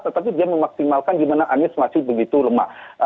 tetapi dia memaksimalkan gimana anis masih begitu lemah